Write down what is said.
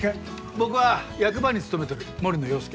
僕は役場に勤めとる森野洋輔。